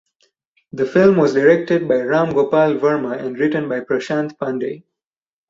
The film was directed by Ram Gopal Varma and written by Prashant Pandey.